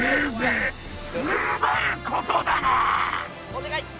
お願い！